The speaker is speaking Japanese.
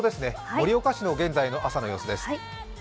盛岡市の現在の朝の様子です。